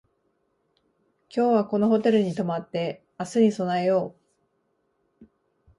今日はこのホテルに泊まって明日に備えよう